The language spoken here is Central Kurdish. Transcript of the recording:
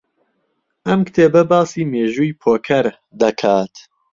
ئەم کتێبە باسی مێژووی پۆکەر دەکات.